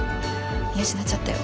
見失っちゃったよ。